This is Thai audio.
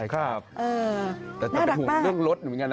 น่ารักมาก